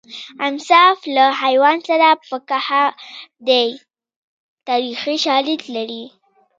انصاف له حیوان سره هم په کار دی تاریخي شالید لري